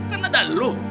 kan ada lo